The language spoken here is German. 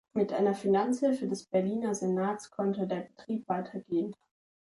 Mit einer Finanzhilfe des Berliner Senats konnte der Betrieb weitergehen.